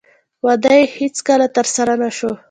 واده یې هېڅکله ترسره نه شو